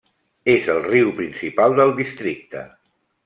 És el riu principal del districte.